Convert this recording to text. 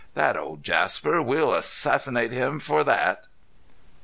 The old Jasper! We'll assassinate him fer thet!"